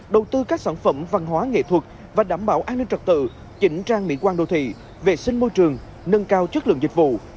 đầu tư các sản phẩm văn hóa nghệ thuật và đảm bảo an ninh trật tự chỉnh trang mỹ quan đô thị vệ sinh môi trường nâng cao chất lượng dịch vụ